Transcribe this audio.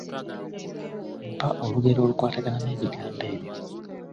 Mpa olugero olukwatagana n’ebigambo ebyo.